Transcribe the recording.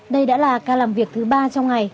đây đã là ca làm việc thứ ba trong ngày